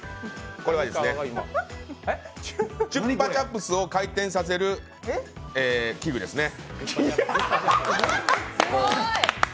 これは、チュッパチャプスを回転させる器具ですね。